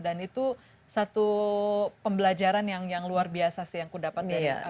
dan itu satu pembelajaran yang luar biasa sih yang aku dapat dari arma karusa